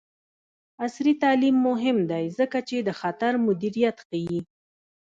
عصري تعلیم مهم دی ځکه چې د خطر مدیریت ښيي.